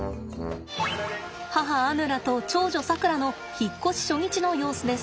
母アヌラと長女さくらの引っ越し初日の様子です。